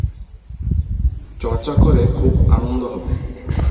চর্চা করে খুব আনন্দ হবে।